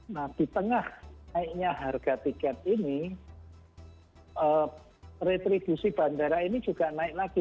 nah di tengah naiknya harga tiket ini retribusi bandara ini juga naik lagi